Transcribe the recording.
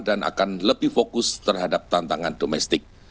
dan akan lebih fokus terhadap penjelajah